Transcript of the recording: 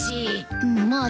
うんまあ